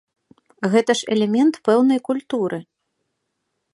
Гэта ж элемент пэўнай культуры.